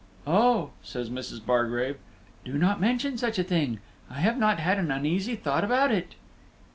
"Oh," says Mrs. Bargrave, "do not mention such a thing; I have not had an uneasy thought about it."